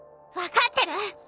分かってる！？